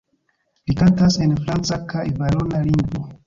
Li kantas en franca kaj valona lingvo.